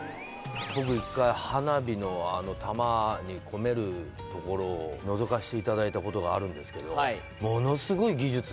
僕一回花火の玉に込めるところをのぞかせていただいたことがあるんですけど。